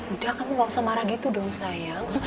udah kamu ga usah marah gitu dong sayang